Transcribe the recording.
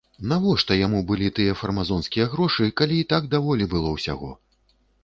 Нашто яму былі тыя фармазонскія грошы, калі і так даволі было ўсяго?